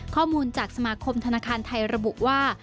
ข้อมูลจากสมาคมธนาคารไทยระบุว่า